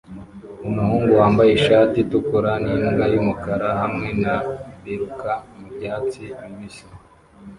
Umuhungu wambaye ishati itukura nimbwa yumukara hamwe na biruka mubyatsi bibisi